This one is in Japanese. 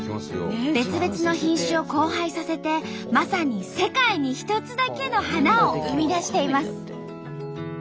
別々の品種を交配させてまさに「世界に一つだけの花」を生み出しています。